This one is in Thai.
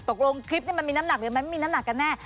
ตกลงคลิปนี้มันมีน้ำหนักหรือมันไม่มีน้ำหนักกันแน่